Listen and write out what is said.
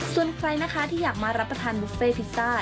ส่วนใครนะคะที่อยากมารับประทานบุฟเฟ่พิซซ่า